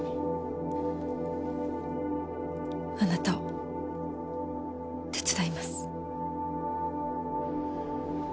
あなたを手伝います。